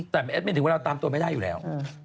แต่แอดไม่ถึงเวลาตามตัวไม่ได้อยู่แล้ว